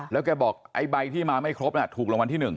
แล้วแกบอกไอ้ใบที่มาไม่ครบถูกรางวัลที่๑